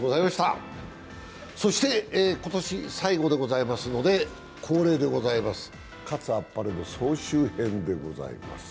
そして今年、最後でございますので恒例でございます、喝、あっぱれの総集編でございます